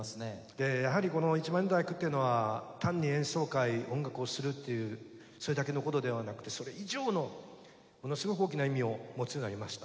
でやはりこの「１万人の第九」っていうのは単に演奏会音楽をするっていうそれだけのことではなくてそれ以上のもの凄く大きな意味を持つようになりました。